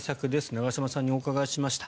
長嶋さんにお伺いしました。